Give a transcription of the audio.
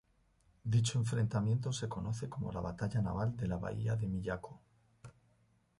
Dicho enfrentamiento se conoce como la batalla naval de la bahía de Miyako.